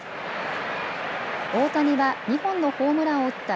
大谷は２本のホームランを打った